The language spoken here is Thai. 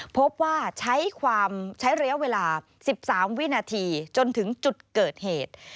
พบว่าใช้ความใช้ระยะเวลา๑๓วินาทีจนถึงจุดเกิดเหตุ